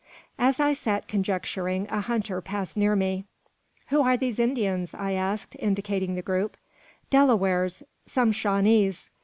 As I sat conjecturing, a hunter passed near me. "Who are these Indians?" I asked, indicating the group. "Delawares; some Shawnees."